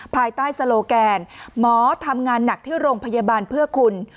ภายใต้โลแกนหมอทำงานหนักที่โรงพยาบาลเพื่อคุณ